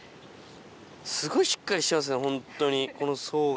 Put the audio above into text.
すごいしっかりしてますねホントにこの層が。